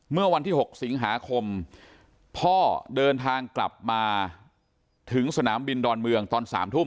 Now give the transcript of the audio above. เมื่อวันที่๖สิงหาคมพ่อเดินทางกลับมาถึงสนามบินดอนเมืองตอน๓ทุ่ม